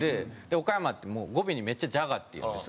岡山って語尾にめっちゃ「じゃが」って言うんです。